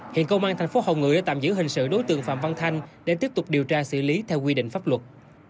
hiện công an thành phố hồng ngự đã tạm giữ hình sự đối tượng phạm văn thanh để tiếp tục điều tra xử lý theo quy định pháp luật